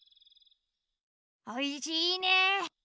おいしいね。